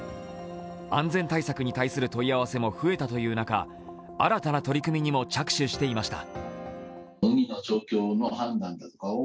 安全対策に対する問い合わせも増えたという中、新たな取り組みにも着手していました。